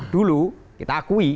dulu kita akui